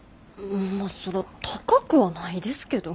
まあそら高くはないですけど。